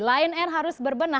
line air harus berbenah